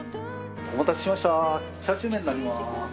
お待たせしましたチャーシュー麺になります。